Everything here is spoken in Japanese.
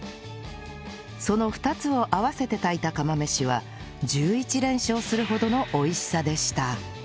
その２つを合わせて炊いた釜飯は１１連勝するほどの美味しさでした